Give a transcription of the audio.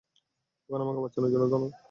ওখানে আমাকে বাঁচানোর জন্য ধন্যবাদ।